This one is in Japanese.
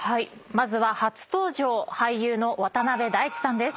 まずは初登場俳優の渡辺大知さんです。